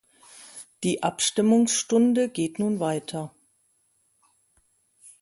Die Abstimmungsstunde geht nun weiter.